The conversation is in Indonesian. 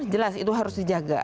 jelas itu harus dijaga